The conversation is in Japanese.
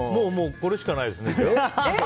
これしかないです。